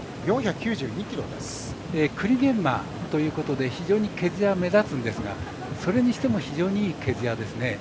栗毛馬ということで非常に毛づや、目立つんですがそれにしても、非常にいい毛づやですね。